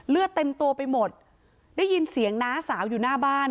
เลือดเต็มตัวไปหมดได้ยินเสียงน้าสาวอยู่หน้าบ้าน